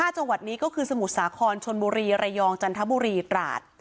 จังหวัดนี้ก็คือสมุทรสาครชนบุรีระยองจันทบุรีตราด